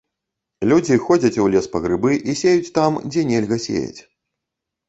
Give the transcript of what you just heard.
Людзі ходзяць у лес па грыбы і сеюць там, дзе нельга сеяць.